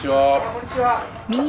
こんにちは！